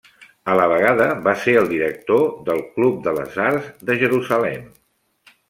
A la vegada, va ser el director del Club de les Arts de Jerusalem.